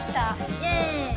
イエーイ